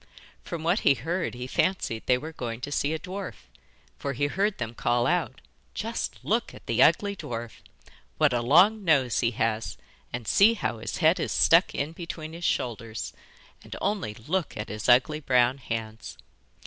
From what he heard, he fancied they were going to see a dwarf, for he heard them call out: 'Just look at the ugly dwarf!' 'What a long nose he has, and see how his head is stuck in between his shoulders, and only look at his ugly brown hands!